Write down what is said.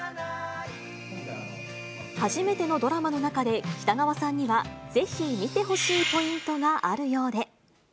初めてのドラマの中で、北川さんには、ぜひ見てほしいポイントがあるようで。